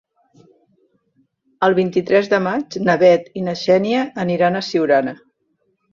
El vint-i-tres de maig na Bet i na Xènia aniran a Siurana.